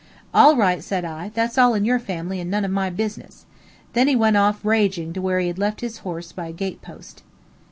"All right," said I; "that's all in your family and none of my business." Then he went off raging to where he had left his horse by a gatepost.